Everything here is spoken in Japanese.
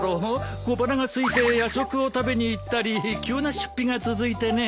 小腹がすいて夜食を食べに行ったり急な出費が続いてね。